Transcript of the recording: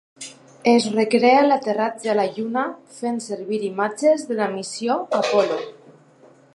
Es recrea l'aterratge a la Lluna fent servir imatges de la missió Apollo.